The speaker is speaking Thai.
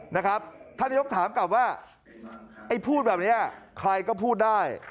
นะครับท่านนายกถามกลับว่าไอ้พูดแบบนี้ใครก็พูดได้